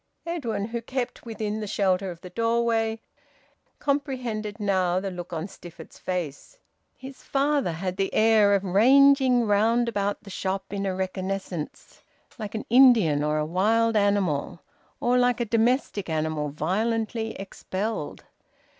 Edwin, who kept within the shelter of the doorway, comprehended now the look on Stifford's face. His father had the air of ranging round about the shop in a reconnaissance, like an Indian or a wild animal, or like a domestic animal violently expelled.